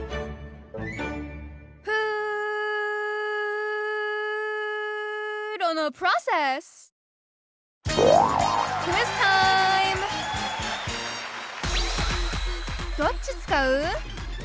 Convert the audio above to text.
プーロのプロセスどっち使う？